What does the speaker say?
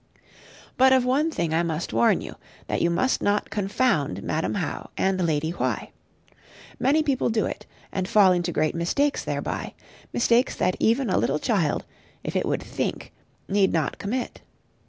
But of one thing I must warn you, that you must not confound Madam How and Lady Why. Many people do it, and fall into great mistakes thereby, mistakes that even a little child, if it would think, need not commit.